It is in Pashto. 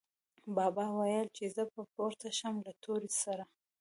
بابا ویل، چې زه به پورته شم له تورې سره